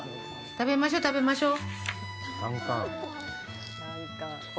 食べましょう、食べましょう。